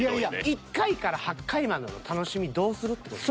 １回から８回までの楽しみどうする？って事や。